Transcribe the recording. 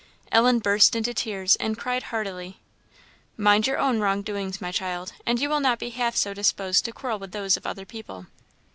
" Ellen burst into tears, and cried heartily. "Mind your own wrong doings, my child, and you will not be half so disposed to quarrel with those of other people.